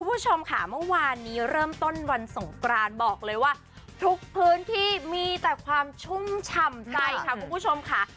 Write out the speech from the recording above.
คุณผู้ชมค่ะเมื่อวานนี้เริ่มต้นวันสงกรานบอกเลยว่าทุกพื้นที่มีแต่ความชุ่มฉ่ำใจค่ะคุณผู้ชมค่ะ